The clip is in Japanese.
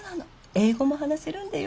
英語も話せるんだよ。